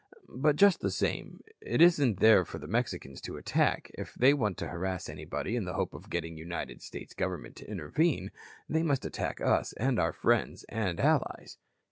But, just the same, it isn't there for the Mexicans to attack. If they want to harass anybody in the hope of getting the United States Government to intervene, they must attack us and our friends and allies."